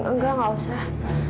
enggak gak usah